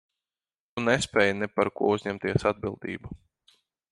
Tu nespēj ne par ko uzņemties atbildību.